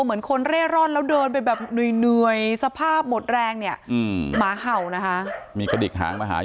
เหมือนคนเร่ร่อนแล้วเดินไปแบบเหนื่อยสภาพหมดแรงเนี่ยหมาเห่านะคะมีกระดิกหางมาหา